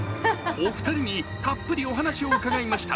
お二人にたっぷりお話を伺いました。